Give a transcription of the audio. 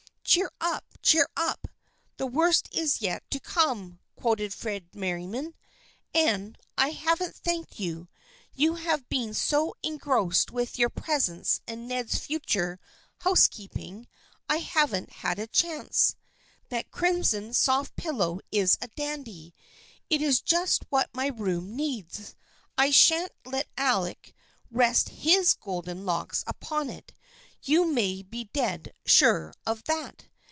" Cheer up ! cheer up ! The worst is yet to come !" quoted Fred Merriam. " Anne, I haven't thanked you. You have been so engrossed with your presents and Ned's future housekeeping I haven't had a chance. That crimson sofa pillow is a dandy. It is just what my room needs. I shan't let Alec rest his golden locks upon it, you may be dead sure of that.